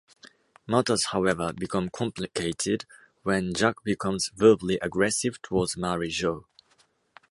Matters, however, become complicated when Jack becomes verbally aggressive towards Mary Jo.